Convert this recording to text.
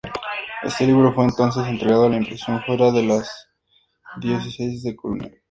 Este libro fue entonces entregado a la impresión fuera de la diócesis de Colonia.